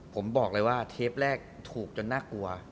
ผมบอกเลยว่าเทปแรกถูกจนน่ากลัว